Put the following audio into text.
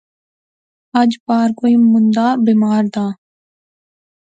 اج پار کوئی مندا بیمار دا